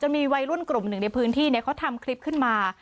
มีวัยรุ่นกลุ่มหนึ่งในพื้นที่เขาทำคลิปขึ้นมา